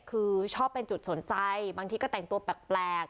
คือชอบเป็นจุดสนใจบางทีก็แต่งตัวแปลก